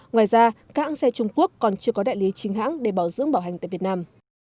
ngoài ra các hãng xe trung quốc còn chưa có đại lý chính hãng để bảo dưỡng bảo hành tại việt nam